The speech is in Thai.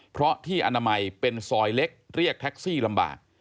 เพราะที่อนามัยเป็นซอยเล็กเรียกแท็กซี่ลำบาก